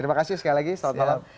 oke sekali lagi selamat malam